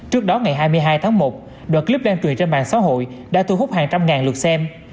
trước đó ngày hai mươi hai tháng một đoạn clip lan truyền trên mạng xã hội đã thu hút hàng trăm ngàn lượt xem